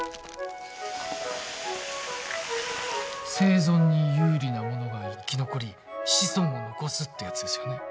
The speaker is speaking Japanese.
生存に有利なものが生き残り子孫を残すってやつですよね？